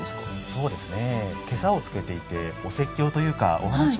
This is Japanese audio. そうですね。